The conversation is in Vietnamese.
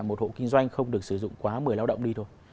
một hộ kinh doanh không được sử dụng quá một mươi lao động đi thôi